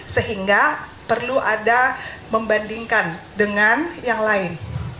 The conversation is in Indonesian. sehingga perlu ada membandingkan dengan yang lain